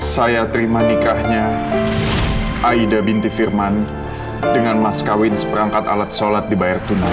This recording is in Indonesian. saya terima nikahnya aida binti firman dengan mas kawin seperangkat alat sholat dibayar tunai